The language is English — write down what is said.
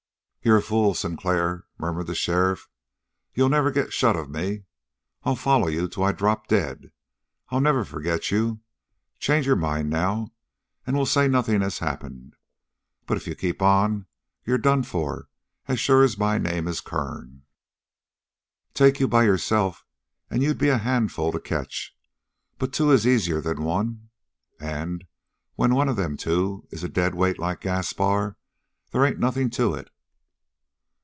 "You're a fool, Sinclair," murmured the sheriff. "You'll never get shut of me. I'll foller you till I drop dead. I'll never forget you. Change your mind now, and we'll say nothing has happened. But if you keep on, you're done for as sure as my name is Kern. Take you by yourself, and you'd be a handful to catch. But two is easier than one, and, when one of them two is a deadweight like Gaspar, they ain't nothing to it."